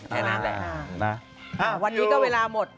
วันนี้ก็เวลาหมด